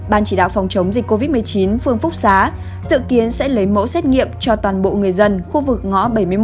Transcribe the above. ban chỉ đạo phòng chống dịch covid một mươi chín phương phúc xá dự kiến sẽ lấy mẫu xét nghiệm cho toàn bộ người dân khu vực ngõ bảy mươi một